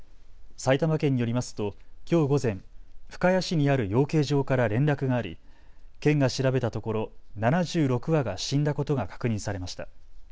埼玉県によりますときょう午前、深谷市にある養鶏場から連絡があり、県が調べたところ７６羽が死んだことが確認されました。